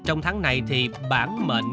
trong tháng này thì bản mệnh